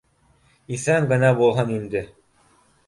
Иҫән генә булһын инде